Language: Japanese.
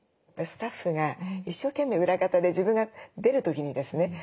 スタッフが一生懸命裏方で自分が出る時にですね